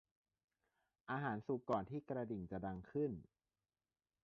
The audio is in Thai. อาหารสุกก่อนที่กระดิ่งจะดังขึ้น